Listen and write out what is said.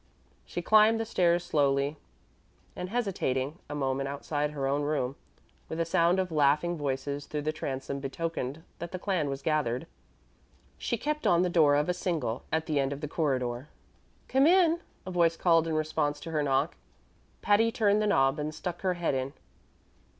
She climbed the stairs slowly, and, hesitating a moment outside her own room, where the sound of laughing voices through the transom betokened that the clan was gathered, she kept on to the door of a single at the end of the corridor. "Come in," a voice called in response to her knock. Patty turned the knob and stuck her head in.